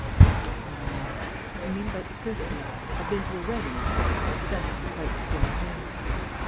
"Don't be an ass. I mean about the christening. I've been to a wedding, of course, but that isn't quite the same thing."